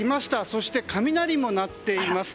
そして雷も鳴っています。